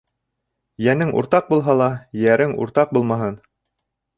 Йәнең уртаҡ булһа ла, йәрең уртаҡ булмаһын.